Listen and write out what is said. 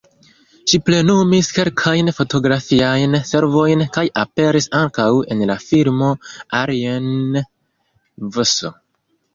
Ŝi plenumis kelkajn fotografiajn servojn kaj aperis ankaŭ en la filmo "Alien vs.